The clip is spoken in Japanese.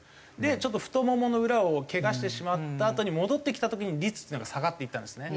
ちょっと太ももの裏をけがしてしまったあとに戻ってきた時に率っていうのが下がっていったんですね。